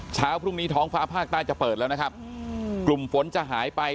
เช้าพรุ่งนี้ท้องฟ้าภาคใต้จะเปิดแล้วนะครับกลุ่มฝนจะหายไป